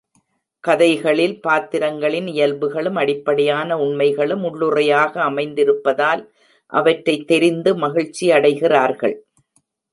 கதைகளில் பாத்திரங்களின் இயல்புகளும் அடிப்படையான உண்மைகளும் உள்ளுறையாக அமைந்திருப்பதால் அவற்றைத் தெரிந்து மகிழ்ச்சியடைகிறார்கள்.